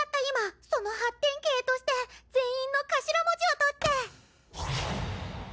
今その発展形として全員の頭文字を取って。